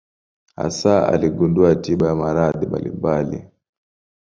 Hasa aligundua tiba ya maradhi mbalimbali.